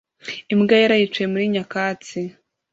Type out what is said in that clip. Imbwa yera yicaye muri nyakatsi